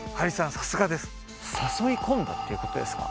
さすがです誘い込んだっていうことですか？